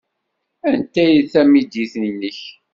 Anta ay d tamidit-nnek?